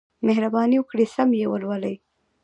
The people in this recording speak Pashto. مهرباني وکړئ سم یې ولولئ.